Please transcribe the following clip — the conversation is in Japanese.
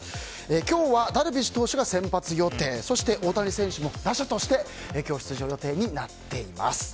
今日はダルビッシュ投手が先発予定そして、大谷選手も打者として今日、出場予定になっています。